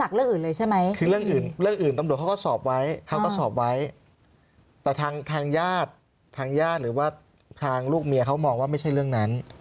เขาก็สอบไว้แต่ทางญาติหรือว่าทางลูกเมียเขามองว่าไม่ใช่เรื่องนั้น